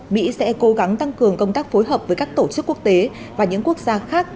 mỹ sẽ cố gắng tăng cường công tác phối hợp với các tổ chức quốc tế và những quốc gia khác